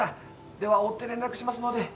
では追って連絡しますので。